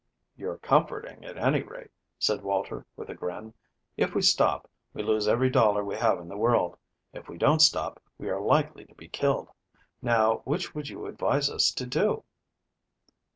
"You're comforting at any rate," said Walter, with a grin. "If we stop, we lose every dollar we have in the world. If we don't stop we are likely to be killed. Now which would you advise us to do?"